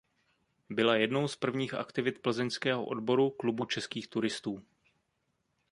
Byla jednou z prvních aktivit plzeňského odboru Klubu českých turistů.